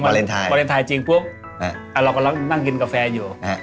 วาเลนไทยวาเลนไทยจริงปุ๊บเรากำลังนั่งกินกาแฟอยู่